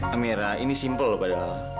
amira ini simpel loh padahal